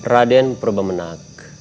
raden purba menak